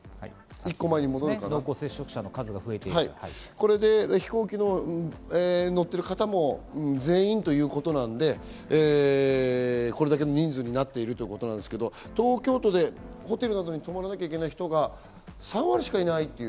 これで飛行機に乗っている方も全員ということなので、これだけの人数になっているということですけど、東京都でホテルなどに泊まらなきゃいけない人が３割しかいないという。